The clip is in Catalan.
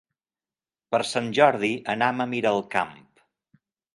Per Sant Jordi anam a Miralcamp.